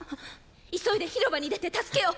急いで広場に出て助けを！